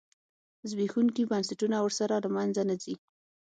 زبېښونکي بنسټونه ورسره له منځه نه ځي.